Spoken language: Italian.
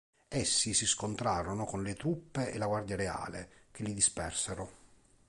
Essi si scontrarono con le truppe e la Guardia reale, che li dispersero.